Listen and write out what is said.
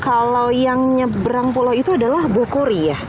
kalau yang nyebrang pulau itu adalah bukori ya